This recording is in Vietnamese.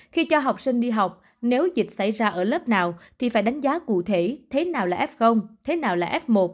khi cho học sinh đi học nếu dịch xảy ra ở lớp nào thì phải đánh giá cụ thể thế nào là f thế nào là f một